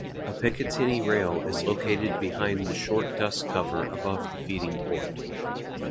A picatinny rail is located behind the short dust cover above the feeding port.